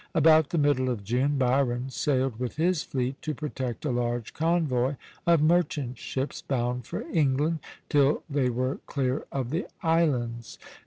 About the middle of June, Byron sailed with his fleet to protect a large convoy of merchant ships, bound for England, till they were clear of the islands.